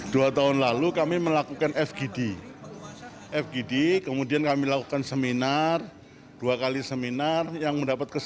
dua tahun lalu kami melakukan fgd fgd kemudian kami lakukan seminar dua kali seminar yang mendapat kesempatan